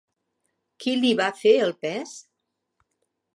Què li fa el pes?